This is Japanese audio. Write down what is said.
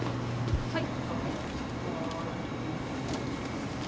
はい。